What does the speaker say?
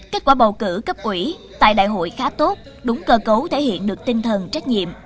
kết quả bầu cử cấp ủy tại đại hội khá tốt đúng cơ cấu thể hiện được tinh thần trách nhiệm